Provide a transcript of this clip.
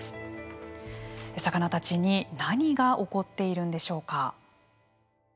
魚たちに何が起こっているんでしょうか？